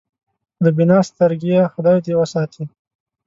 له بینا سترګېه خدای دې وساتي.